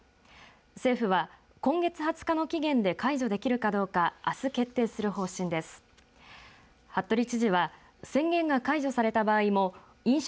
政府は、今月２０日の期限で解除できるかどうかあす決定する方針です。